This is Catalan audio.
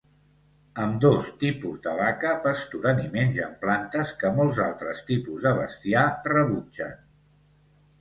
Ambdós tipus de vaca pasturen i mengen plantes que molts altres tipus de bestiar rebutgen.